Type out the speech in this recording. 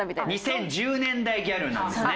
２０１０年代ギャルなんですね。